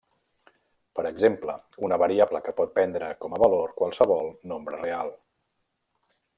Per exemple, una variable que pot prendre com a valor qualsevol nombre real.